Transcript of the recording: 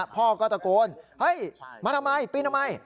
พ่อก็ตะโกนเฮ้ยมาทำไมปีนทำไม